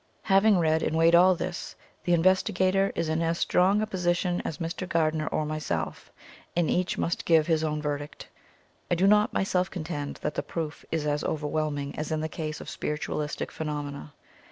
Having read and weighed all this, the investigator is in as strong a po sition as Mr. Gardner or myself, and each must give his own verdict. I do not myself contend that the proof is as overwhelming as in the case of spiritualistic phenomena.